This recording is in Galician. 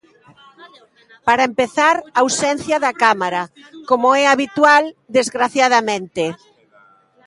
Para empezar, ausencia da Cámara, como é habitual, desgraciadamente.